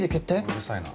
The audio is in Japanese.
うるさいな。